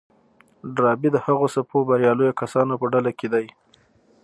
ډاربي د هغو څو برياليو کسانو په ډله کې دی.